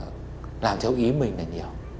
bây giờ là làm theo ý mình là nhiều